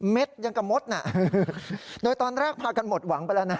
ยังกับมดน่ะโดยตอนแรกพากันหมดหวังไปแล้วนะ